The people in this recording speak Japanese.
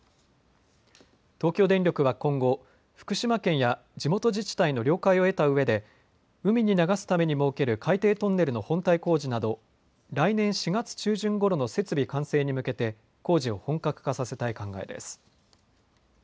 東京電力は今後、福島県や地元自治体の了解を得たうえで、海に流すために設ける海底トンネルの本体工事など来年４月中旬ごろの設備完成に向けて工事を本格化させたい考えです。